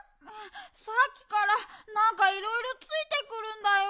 さっきからなんかいろいろついてくるんだよ。